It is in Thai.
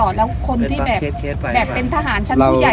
แล้วคนที่แบบเป็นทหารชั้นผู้ใหญ่